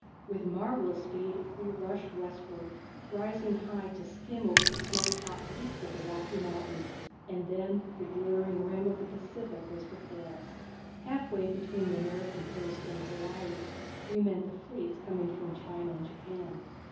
With marvellous speed we rushed westward, rising high to skim over the snow topped peaks of the Rocky Mountains and then the glittering rim of the Pacific was before us. Half way between the American coast and Hawaii we met the fleets coming from China and Japan.